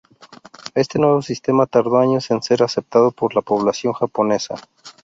Este nuevo sistema tardó años en ser aceptado por la población japonesa.